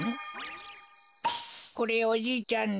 これおじいちゃんに。